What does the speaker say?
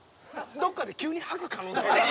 どっかで急に吐く可能性がある。